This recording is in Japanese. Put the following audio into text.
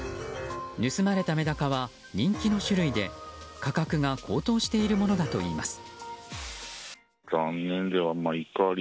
盗まれたメダカは人気の種類で価格が高騰しているものだといいます。